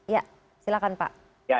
ya silakan pak